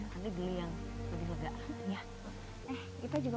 kita juga punya apa nih buat anak anak juga